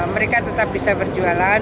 mereka tetap bisa berjualan